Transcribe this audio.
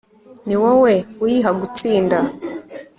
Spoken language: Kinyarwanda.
ni wowe uyiha gutsinda